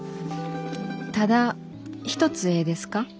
「ただ一つええですか？」。